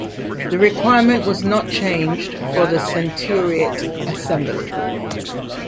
The requirement was not changed for the Centuriate Assembly.